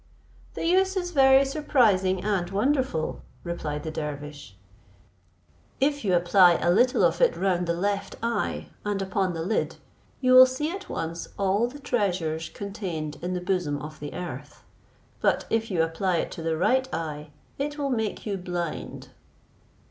"The use is very surprising and wonderful," replied the dervish: "if you apply a little of it round the left eye, and upon the lid, you will see at once all the treasures contained in the bosom of the earth; but if you apply it to the right eye, it will make you blind."